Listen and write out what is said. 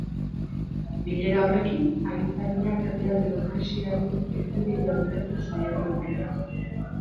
Bilera horrekin, agintariak herrialdeko krisiari irtenbidea bilatzen saiatu dira.